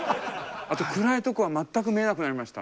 あと暗いとこは全く見えなくなりました。